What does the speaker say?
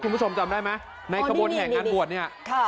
คุณผู้ชมจำได้ไหมในขบวนแห่งงานบวชเนี่ย